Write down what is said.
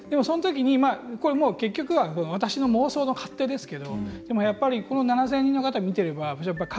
結局は私の妄想の勝手ですけどやっぱりこの７０００人の方を見ていれば書くべきだった。